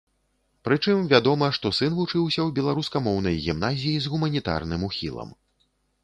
Прычым вядома, што сын вучыўся ў беларускамоўнай гімназіі з гуманітарным ухілам.